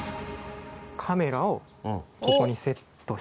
カメラをここにセットして。